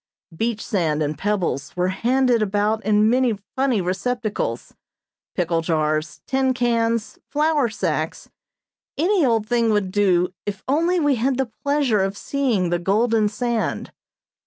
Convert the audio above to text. Beach sand and pebbles, were handed about in many funny receptacles, pickle jars, tin cans, flour sacks, any old thing would do if only we had the pleasure of seeing the golden sand.